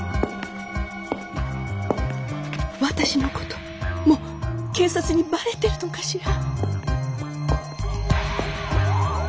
私のこともう警察にばれてるのかしら？